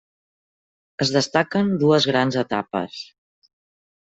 Es destaquen dues grans etapes.